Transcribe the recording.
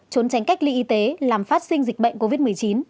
trốn tránh cách ly y tế làm phát sinh dịch bệnh covid một mươi chín